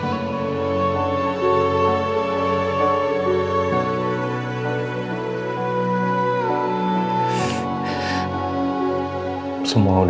karena karena bapaknya